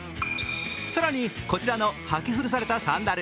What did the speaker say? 更に、こちらの履き古されたサンダル。